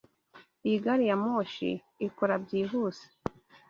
Iyi gari ya moshi ikora byihuse?